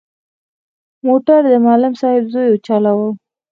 موټر د معلم صاحب زوی چلاوه.